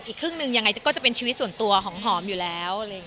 อีกครึ่งหนึ่งยังไงก็จะเป็นชีวิตส่วนตัวของหอมอยู่แล้ว